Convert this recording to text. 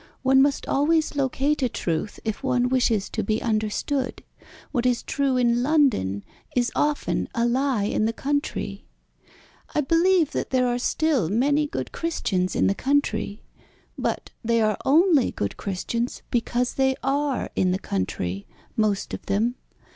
One must always locate a truth if one wishes to be understood. What is true in London is often a lie in the country. I believe that there are still many good Christians in the country, but they are only good Christians because they are in the country most of them.